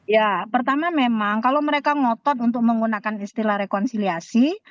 ya pertama memang kalau mereka ngotot untuk menggunakan istilah rekonsiliasi